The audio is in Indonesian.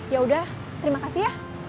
yaudah terima kasih ya